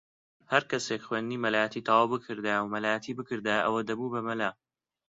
ھەر کەسێک خوێندنی مەلایەتی تەواو بکردایە و مەلایەتی بکردایە ئەوە دەبوو بە مەلا